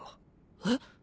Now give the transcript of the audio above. えっ？